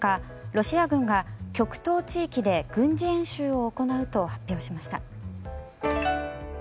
ロシア軍が極東地域で軍事演習を行うと発表しました。